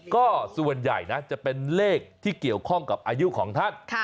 ก็ส่วนใหญ่นะจะเป็นเลขที่เกี่ยวข้องกับอายุของท่าน